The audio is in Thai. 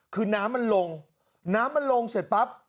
คือน้ำมันลงน้ำมันลงเสร็จปั๊บ